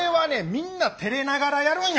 みんなてれながらやるんやから。